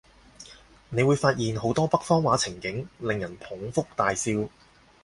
你會發現好多北方話情景，令人捧腹大笑